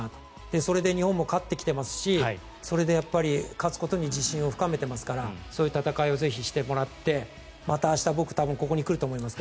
それで日本も勝ってきていますし勝つことに自信を深めてますからそういう戦いをぜひしてもらってまた明日、僕、多分ここに来ると思いますが。